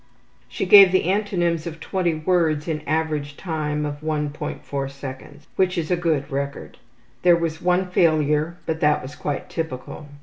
She gave the antonyms of twenty words in average time of 1.4'', which is a good record. There was one failure, but that was quite typical.